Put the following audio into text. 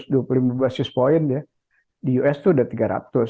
di basis point ya di us itu udah tiga ratus